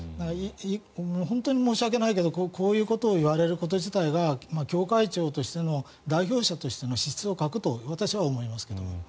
本当に申し訳ないけどこういうことを言われること自体が教会長としての代表者としての資質を欠くと私は思いますけども。